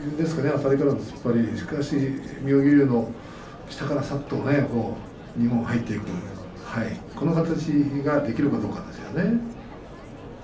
あたりからの突っ張りしかし妙義龍の下からさっと二本入っていくこの形ができるかどうかですね。